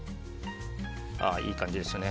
いい感じですね。